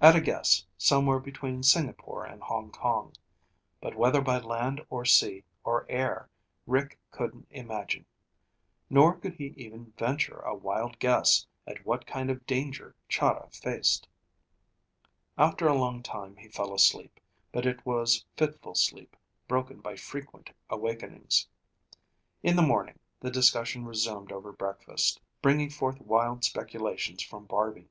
At a guess, somewhere between Singapore and Hong Kong. But whether by land or sea or air, Rick couldn't imagine. Nor could he even venture a wild guess at what kind of danger Chahda faced. After a long time he fell asleep, but it was fitful sleep broken by frequent awakenings. In the morning, the discussion resumed over breakfast, bringing forth wild speculations from Barby.